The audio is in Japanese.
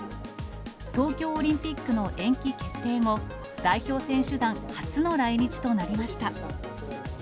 東京オリンピックの延期決定後、代表選手団初の来日となりました。